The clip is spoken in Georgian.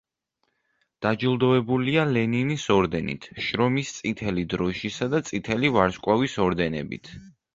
დაჯილდოებულია ლენინის ორდენით, შრომის წითელი დროშისა და წითელი ვარსკვლავის ორდენებით.